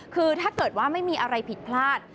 คือถ้าเกิดว่าไม่มีอะไรผิดพลาด